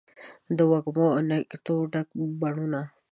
د وږمو او نګهتونو ډک بڼوڼه